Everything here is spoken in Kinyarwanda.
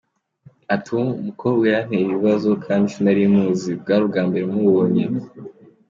Ati “Uwo mukobwa yanteye ibibazo kandi sinari muzi, bwari ubwa mbere mubonye.